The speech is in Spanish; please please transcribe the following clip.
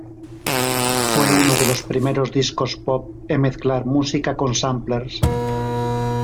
Fue uno de los primeros discos pop en mezclar música con samplers.